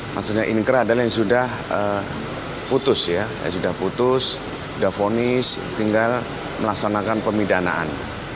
maksudnya inkrah adalah yang sudah putus ya sudah putus sudah fonis tinggal melaksanakan pemidanaan